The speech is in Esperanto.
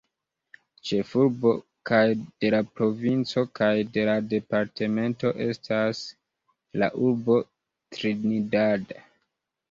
Ĉefurbo kaj de la provinco kaj de la departemento estas la urbo Trinidad.